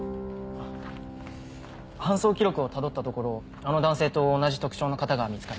搬送記録をたどったところあの男性と同じ特徴の方が見つかりました。